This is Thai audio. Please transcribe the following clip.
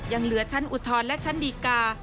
ยังเหลือชั้นอุทธรณ์และชั้นดีกา